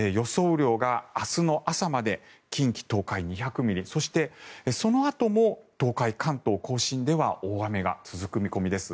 雨量が明日の朝まで近畿・東海、２００ミリそして、そのあとも東海、関東・甲信では大雨が続く見込みです。